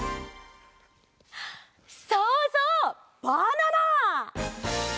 そうそうバナナ！